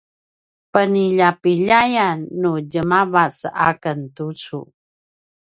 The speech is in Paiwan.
peniljapiljayan nu djemavac a ken tucu